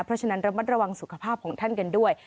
เพราะฉะนั้นระมัดระวังสุขภาพของท่านกันด้วย